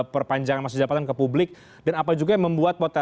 perpanjangan masyarakat ke publik dan apa juga yang membuat kemungkinan